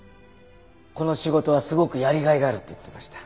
この仕事はすごくやりがいがあるって言ってました。